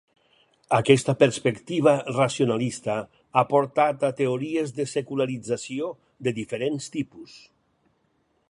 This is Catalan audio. Aquesta perspectiva racionalista ha portat a teories de secularització de diferents tipus.